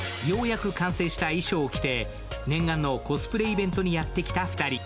ようやく完成した衣装を着て念願のコスプレイベントにやって来た２人。